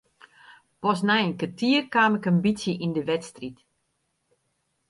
Pas nei in kertier kaam ik in bytsje yn de wedstriid.